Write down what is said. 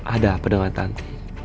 ada apa dengan tanti